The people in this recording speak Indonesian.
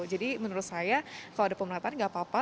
jadi menurut saya kalau ada pemerataan tidak apa apa